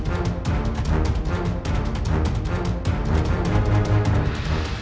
jangan sampai lepas